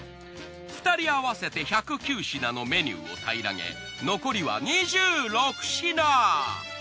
２人合わせて１０９品のメニューを平らげ残りは２６品。